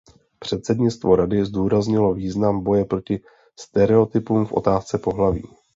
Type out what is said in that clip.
Předsednictvo Rady zdůraznilo význam boje proti stereotypům v otázce pohlaví.